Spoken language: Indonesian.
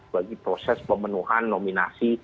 bagi proses pemenuhan nominasi